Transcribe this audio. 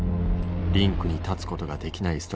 リンクに立つことができない